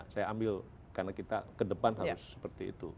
saya ambil karena kita kedepan harus seperti itu